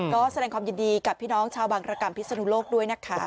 ก็แสดงความยินดีกับพี่น้องชาวบางรกรรมพิศนุโลกด้วยนะคะ